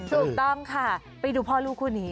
ถูกต้องค่ะไปดูพ่อลูกคู่นี้